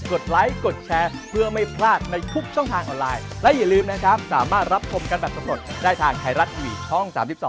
ขอขอบคุณภาพนี้จากติ๊กต๊อกท่านดีนะครับ